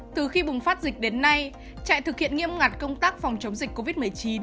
từ khi bùng phát dịch đến nay chạy thực hiện nghiêm ngặt công tác phòng chống dịch covid một mươi chín